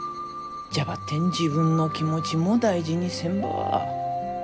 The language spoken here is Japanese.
じゃばってん自分の気持ちも大事にせんば。